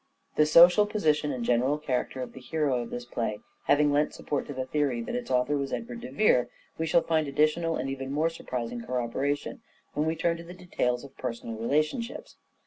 The social position and general character of the hero of this play having lent support to the theory that its author was Edward de Vere, we shall find additional and even more surprising corroboration when we turn to the details of personal relationships.